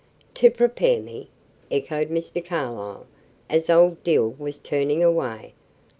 "To prepare me!" echoed Mr. Carlyle, as old Dill was turning away.